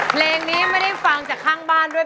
เพลงนี้ไม่ได้ฟังจากข้างบ้านด้วย